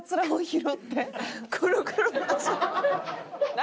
何？